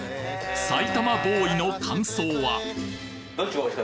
埼玉ボーイの感想は？